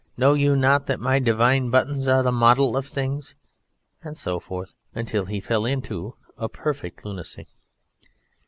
Know you not that my Divine buttons are the model of things?" and so forth, until he fell into a perfect lunacy.